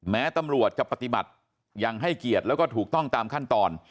แม้ตำรวจจะปฏิบัติยังให้เกียรติแล้วก็ถูกต้องตามขั้นตอน